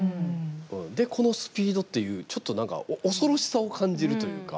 で、このスピードっていうちょっと、なんか恐ろしさを感じるというか。